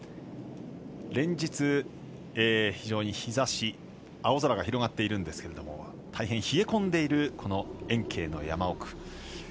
連日、非常に日ざし青空が広がっているんですけど大変冷え込んでいるこの延慶の山奥。